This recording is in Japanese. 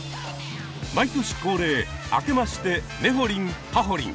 毎年恒例「あけましてねほりんぱほりん」！